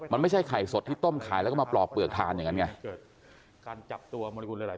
มันไม่ใช่ไข่สดที่ต้มขายแล้วก็มาปลอกเปลือกทานอย่างนั้นไง